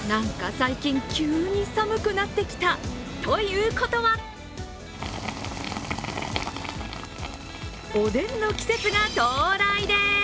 最近、急に寒くなってきたということはおでんの季節が到来でーす。